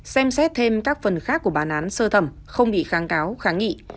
xem xét thêm các phần khác của bản án sơ thẩm không bị kháng cáo kháng nghị